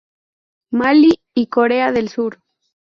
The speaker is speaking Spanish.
Malí y Corea del Sur.